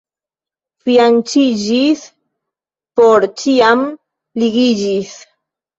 Fianĉiĝis — por ĉiam ligiĝis.